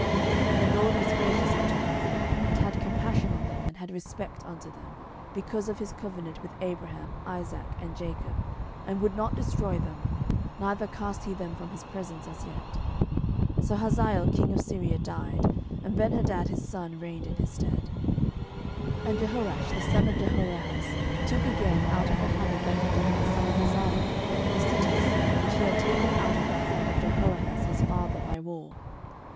12:013:023 And the LORD was gracious unto them, and had compassion on them, and had respect unto them, because of his covenant with Abraham, Isaac, and Jacob, and would not destroy them, neither cast he them from his presence as yet. 12:013:024 So Hazael king of Syria died; and Benhadad his son reigned in his stead. 12:013:025 And Jehoash the son of Jehoahaz took again out of the hand of Benhadad the son of Hazael the cities, which he had taken out of the hand of Jehoahaz his father by war.